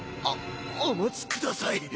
おお待ちください